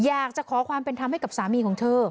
อยากจะขอความเป็นธรรมให้กับสามีของเธอ